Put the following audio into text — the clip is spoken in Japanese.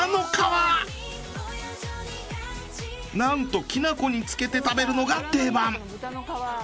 なんときな粉につけて食べるのが定番。